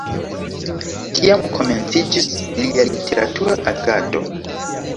Tiam komenciĝis lia literatura agado.